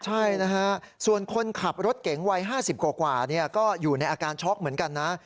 ใช่นะฮะส่วนคนขับรถเก๋งวัย๕๐กว่าก็อยู่ในอาการช็อกเหมือนกันนะ